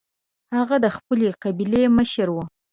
هغه د خپلې قبیلې مشر و.